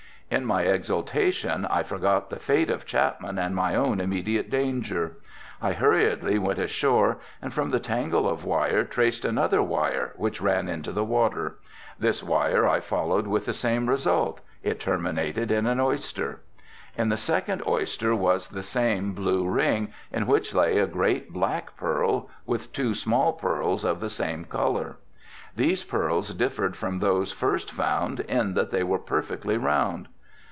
In my exultation I forgot the fate of Chapman and my own immediate danger. I hurriedly went ashore and from the tangle of wire traced another wire, which ran into the water. This wire I followed with the same result, it terminated in an oyster. In the second oyster was the same blue ring, in which lay a great black pearl with two small pearls of the same color. These pearls differed from those first found in that they were perfectly round.